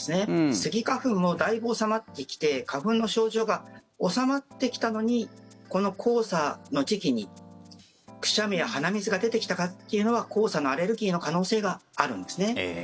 スギ花粉もだいぶ収まってきて花粉症の症状が治まってきたのにこの黄砂の時期にくしゃみや鼻水が出てきた方というのは黄砂のアレルギーの可能性があるんですね。